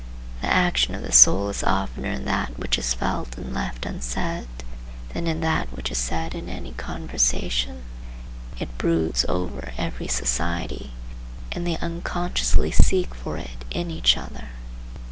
The action of the soul is oftener in that which is felt and left unsaid than in that which is said in any conversation. It broods over every society, and they unconsciously seek for it in each other.